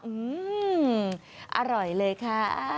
อืมอร่อยเลยค่ะ